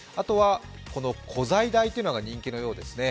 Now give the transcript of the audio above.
古材台というのが人気なようですね。